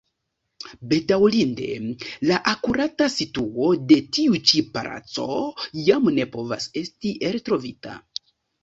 Bedaŭrinde la akurata situo de tiu ĉi palaco jam ne povas esti eltrovita.